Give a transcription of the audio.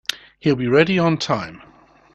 He'll be ready on time.